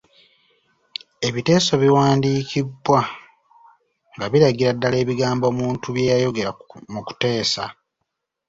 Ebiteeso biwandiikibwa nga biragira ddala ebigambo muntu bye yayogera mu kuteesa.